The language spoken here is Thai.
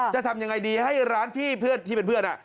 จะทำยังไงดีให้ร้านที่เป็นเพื่อน